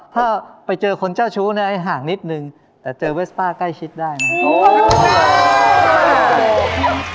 ถ้าไปเจอคนเจ้าชู้นะห่างนิดนึงแต่เจอเวสป้าใกล้ชิดได้นะครับ